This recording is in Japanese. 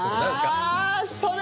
あそれね！